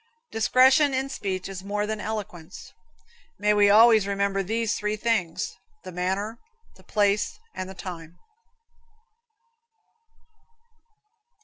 Discretion in speech is more than eloquence. May we always remember these three things: The manner, the place and the time.